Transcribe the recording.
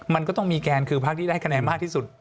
มันก็ต้องมีแกนคือพักที่ได้คะแนนมากที่สุด